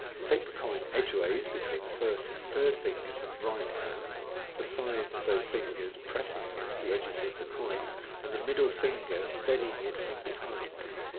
Take the coin edgeways between the. first and third fingers of the right hand, the sides of those fingers pressing against the edges of the coin, and the middle finger steady ing it from behind.